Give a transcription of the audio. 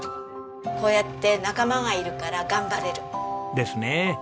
こうやって仲間がいるから頑張れる。ですねえ！